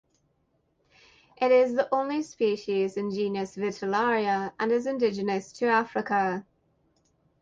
It is the only species in genus Vitellaria, and is indigenous to Africa.